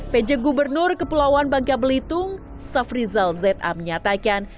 peja gubernur kepulauan bangka belitung safrizal z a menyatakan